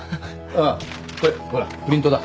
あっこれほらプリントだ。